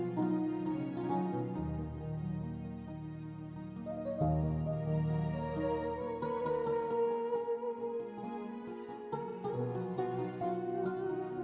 masih ada yang mengurus